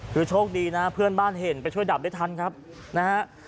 คือโชคดีนะเพื่อนบ้านเห็นไปช่วยดับได้ทันครับนะฮะ